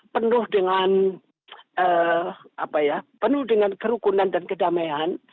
penuh dengan kerukunan dan kedamaian